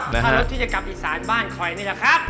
ถ้ารถที่จะกลับอีสานบ้านคอยนี่แหละครับ